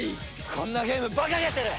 こんなゲームバカげてる！